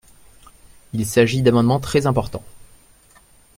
Il s’agit d’amendements très importants.